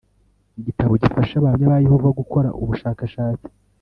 Igitabo gifasha Abahamya ba Yehova gukora ubushakashatsi